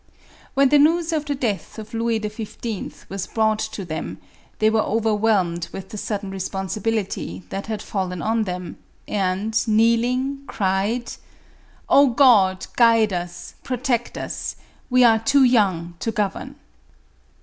When the news of the death of Louis XY. was brought to them, they were overwhelmed with the sudden responsibility that had fallen on them, and, kneeling, cried, " O God, guide us, protect us ; we are too young to govern."